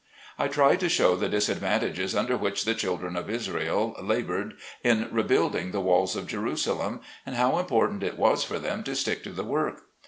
I tried to show the disadvantages under which the children of Israel labored in rebuilding the walls of Jerusalem, and how important it was for them to stick to the work.